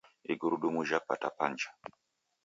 Igurudumu jhapata pancha